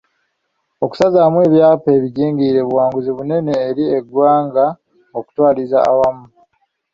Okusazaamu ebyapa ebijingirire buwanguzi bunene eri eggwanga okutwaliza awamu.